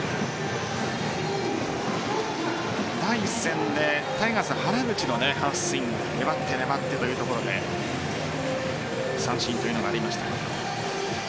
第１戦でタイガース・原口のハーフスイング粘ってというところで三振というのがありました。